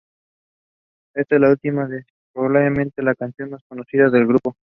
Esta última es probablemente la canción más conocida del grupo.